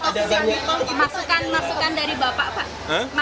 masukan masukan dari bapak pak